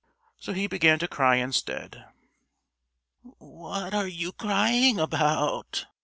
So he began to cry instead. "What are you crying about?"